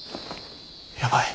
やばい。